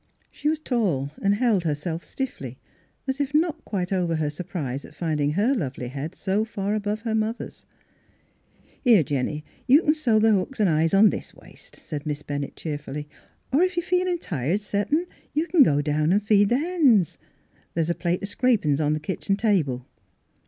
She was tall and held herself stiffly, as if not quite over her surprise at finding her lovely head so far above her mother's. Miss Philura's Wedding Gown " Here, Jennie, you c'n sew the hooks 'n' eyes on this waist," said Miss Bennett cheerfully. " Or, if you're tired settin' you c'n go down an' feed the hens. The' 's a plate o' scrapin's on th' kitchen table."